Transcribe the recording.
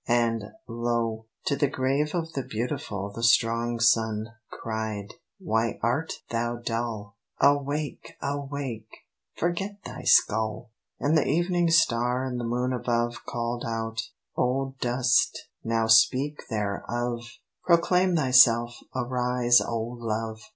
And, lo! to the grave of the beautiful The strong sun cried, "Why art thou dull? Awake! awake! Forget thy skull!" And the evening star and the moon above Called out, "O dust, now speak thereof! Proclaim thyself! Arise, O love!"